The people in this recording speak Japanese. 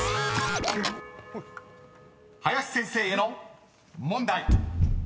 ［林先生への問題］